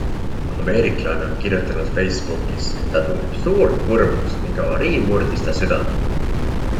Ameeriklanna on kirjutanud Facebookis, et ta tunneb suurt kurbust ning avarii murdis ta südame.